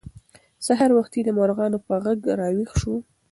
سهار وختي د مرغانو په غږ راویښ شوو.